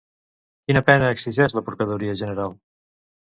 Quina pena exigeix la procuradoria general?